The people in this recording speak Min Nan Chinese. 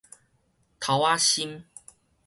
頭仔心